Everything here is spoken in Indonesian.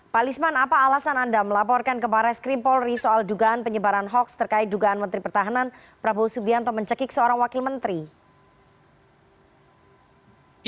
pak lisman apa alasan anda melaporkan ke baris krim polri soal dugaan penyebaran hoax terkait dugaan menteri pertahanan prabowo subianto mencekik seorang wakil menteri